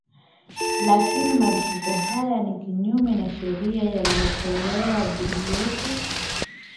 lakini marufuku haya ni kinyume ya sheria yanatolewa dhidi yetu